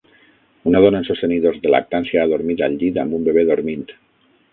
Una dona en sostenidors de lactància adormida al llit amb un bebè dormint.